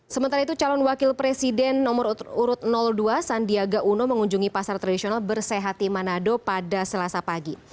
sementara itu calon wakil presiden nomor urut dua sandiaga uno mengunjungi pasar tradisional bersehati manado pada selasa pagi